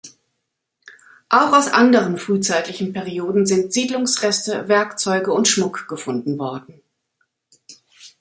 Auch aus anderen frühzeitlichen Perioden sind Siedlungsreste, Werkzeuge und Schmuck gefunden worden.